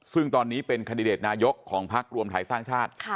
ซึ่งตอนนี้เป็นคันดิเดตนายกของพักรวมไทยสร้างชาติ